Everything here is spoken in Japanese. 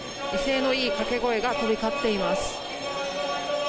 威勢のいい掛け声が飛び交っています。